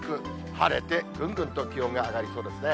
晴れてぐんぐんと気温が上がりそうですね。